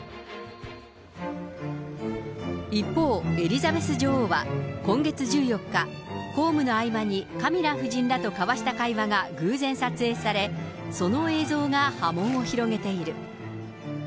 一方、エリザベス女王は今月１４日、公務の合間にカミラ夫人らと交わした会話が偶然撮影され、その映像が波紋を広げている。